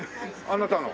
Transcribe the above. あなたの。